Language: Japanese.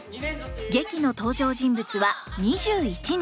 劇の登場人物は２１人。